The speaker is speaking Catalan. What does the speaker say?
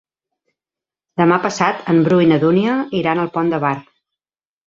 Demà passat en Bru i na Dúnia iran al Pont de Bar.